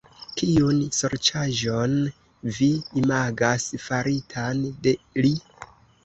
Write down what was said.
Kiun sorĉaĵon vi imagas, faritan de li?